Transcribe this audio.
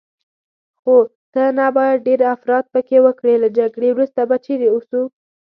خو ته نه باید ډېر افراط پکې وکړې، له جګړې وروسته به چیرې اوسو؟